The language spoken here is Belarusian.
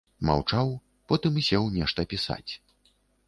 Маўчаў, потым сеў нешта пісаць.